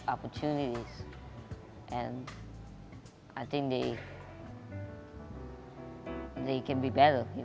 saya pikir mereka memiliki banyak kesempatan